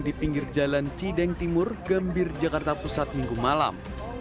di pinggir jalan cideng timur gambir jakarta pusat minggu malam